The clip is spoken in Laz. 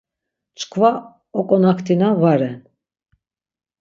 Çkva oǩonaktinu va ren.